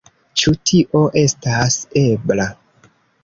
Ĉu tio estas ebla.